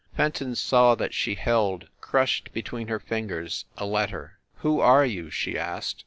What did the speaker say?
Fenton saw that she held, crushed between her fingers, a letter. "Who are you?" she asked.